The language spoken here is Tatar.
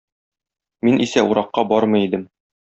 Мин исә уракка бармый идем.